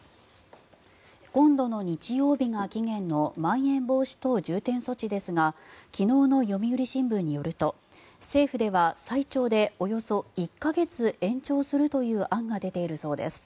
今度の日曜日が期限のまん延防止等重点措置ですが昨日の読売新聞によると政府では最長でおよそ１か月延長するという案が出ているそうです。